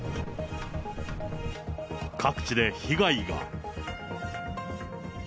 各地で被害が。